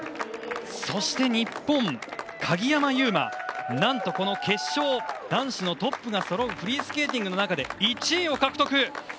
そして日本、鍵山優真がなんと、この決勝男子のトップがそろうフリースケーティングの中で１位を獲得！